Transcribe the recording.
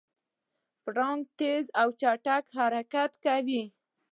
پړانګ تېز او چټک حرکت کوي.